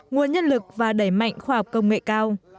nguồn nhân lực và đẩy mạnh khoa học công nghệ cao